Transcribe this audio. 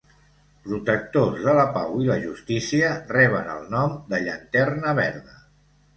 Protectors de la pau i la justícia, reben el nom de Llanterna Verda.